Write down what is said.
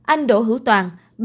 anh đỗ hữu toàn